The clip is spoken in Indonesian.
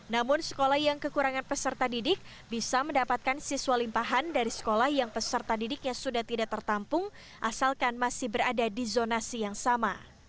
namun sekolah yang kekurangan peserta didik bisa mendapatkan siswa limpahan dari sekolah yang peserta didiknya sudah tidak tertampung asalkan masih berada di zonasi yang sama